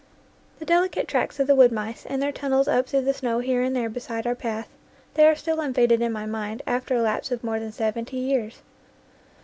t The delicate tracks of the wood mice and their tunnels up through the snow here and there beside our path they are still unfaded in my mind, after a lapse of more than seventy years.